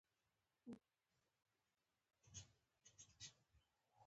یوازي اسلامي وړتیاوې یې په پام کې ونیولې.